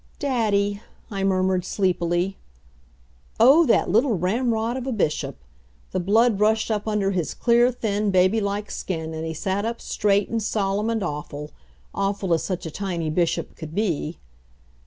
"Daddy," I murmured sleepily. Oh, that little ramrod of a bishop! The blood rushed up under his clear, thin, baby like skin and he sat up straight and solemn and awful awful as such a tiny bishop could be.